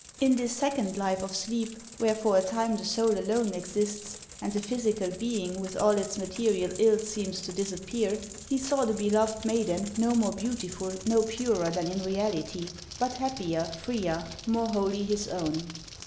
In this second life of sleep, where for a time the soul alone exists, and the physical being with all its material ills seems to disappear, he saw the beloved maiden, no more beautiful, no purer, than in reality, but happier, freer, more wholly his own.